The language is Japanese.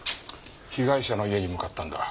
被害者の家に向かったんだ。